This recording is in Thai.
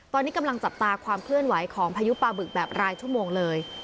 ตอนนี้กำลังจับตาความเคลื่อนไหวของพายุปลาบึกแบบรายชั่วโมงเลย